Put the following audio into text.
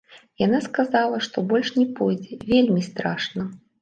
Яна сказала, што больш не пойдзе, вельмі страшна.